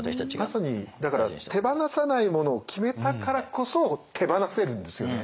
まさに手放さないものを決めたからこそ手放せるんですよね。